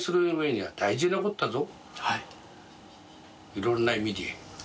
いろんな意味で。